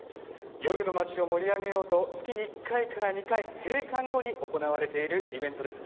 夜の町を盛り上げようと月に１回から２回閉館後に行われているイベントです。